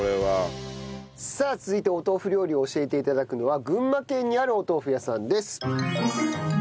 さあ続いてお豆腐料理を教えて頂くのは群馬県にあるお豆腐屋さんです。